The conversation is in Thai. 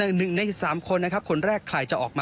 แล้วก็ก็คาดว่าทุกคนของเราจะค่อยพอ